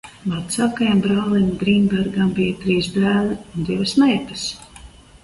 Vecākajam brālim Grīnbergam bija trīs dēli un divas meitas.